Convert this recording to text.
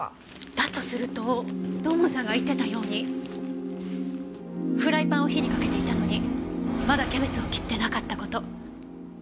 だとすると土門さんが言ってたようにフライパンを火にかけていたのにまだキャベツを切ってなかった事